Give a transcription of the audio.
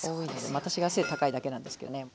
私が背高いだけなんですけどね。